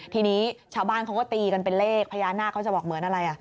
ทีนี้ชาวบ้านเขาก็ตีกันเป็นเลขพญานาคเขาจะบอกเหมือนอะไร